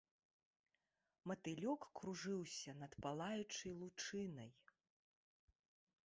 Матылёк кружыўся над палаючай лучынай.